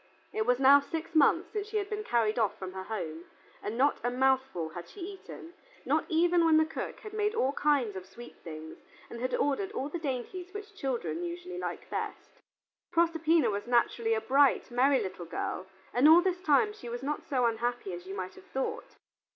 It was now six months since she had been carried off from her home, and not a mouthful had she eaten, not even when the cook had made all kinds of sweet things and had ordered all the dainties which children usually like best. Proserpina was naturally a bright, merry little girl, and all this time she was not so unhappy as you may have thought.